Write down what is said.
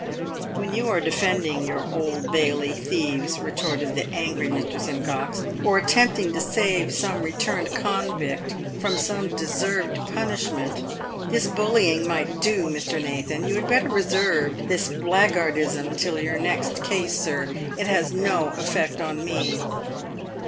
" When you are defending your Old Bailey thieves," retorted the angry Mr. Simcox, " or attempting to save some returned convict from some deserved punishment, this bullying might do, Mr. Na than. You had better reserve this blackguardism till your next case, sir. It has no effect upon me."